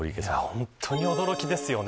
本当に驚きですよね。